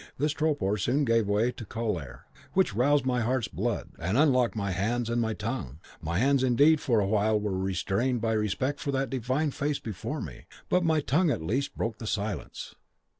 But this torpor soon gave way to choler, which roused my heart's blood, and unlocked my hands and my tongue. My hands indeed were for a while restrained by respect for that divine face before me; but my tongue at least broke silence.